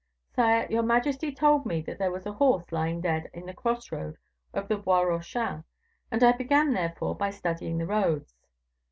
"Sire, your majesty told me that there was a horse lying dead in the cross road of the Bois Rochin, and I began, therefore, by studying the roads.